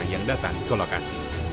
yang datang ke lokasi